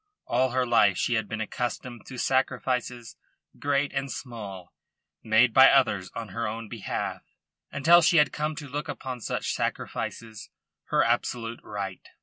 All her life she had been accustomed to sacrifices great and small made by others on her own behalf, until she had come to look upon such sacrifices her absolute right.